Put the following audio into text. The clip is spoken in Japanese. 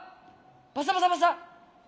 バサバサバサ。